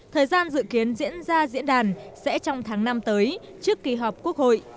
thời gian dự kiến diễn ra diễn đàn sẽ trong tháng năm tới trước kỳ họp quốc hội